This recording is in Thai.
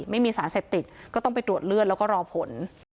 ไม่มีสารเสพติดก็ต้องไปตรวจเลือดแล้วก็รอผล